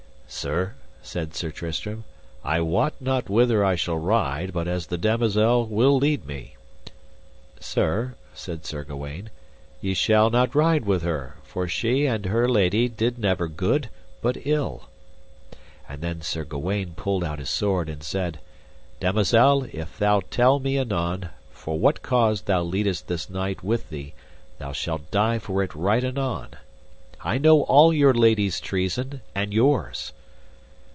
Sir, said Sir Tristram, I wot not whither I shall ride but as the damosel will lead me. Sir, said Sir Gawaine, ye shall not ride with her, for she and her lady did never good, but ill. And then Sir Gawaine pulled out his sword and said: Damosel, but if thou tell me anon for what cause thou leadest this knight with thee thou shalt die for it right anon: I know all your lady's treason, and yours.